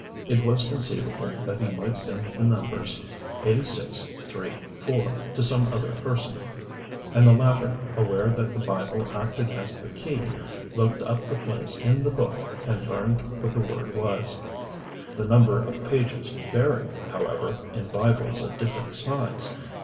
It was conceivable that he might send the numbers "86 3 4" to some other person; and the latter, aware that the Bible acted as the key, looked up the place in the Book and learned what the word was. The number of pages vary, however, in Bibles of different size.